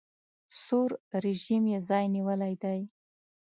سور رژیم یې ځای نیولی دی.